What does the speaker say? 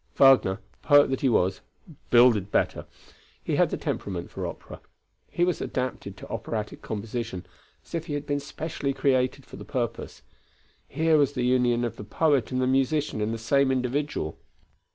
Wagner, poet that he was, builded better. He had the temperament for opera. He was adapted to operatic composition as if he had been specially created for the purpose. Here was the union of the poet and the musician in the same individual.